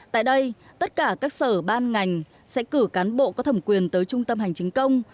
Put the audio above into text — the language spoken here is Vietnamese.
tại đây tất cả các sở ban ngành sẽ cử cán bộ có thẩm quyền tới trung tâm hành chính công